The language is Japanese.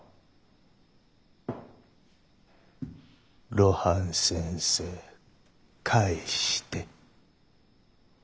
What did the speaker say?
・露伴先生返してッ。